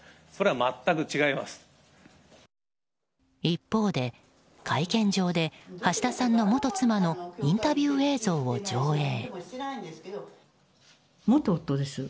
一方で、会見場で橋田さんの元妻のインタビュー映像を上映。